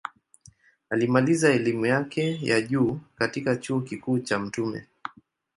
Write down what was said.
Alimaliza elimu yake ya juu katika Chuo Kikuu cha Mt.